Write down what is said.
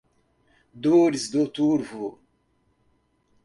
Dores do Turvo